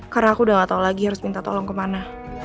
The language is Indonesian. karena aku udah gak tau lagi harus minta tolong kemana